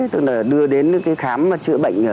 tức là đưa đến những cái khám chữa bệnh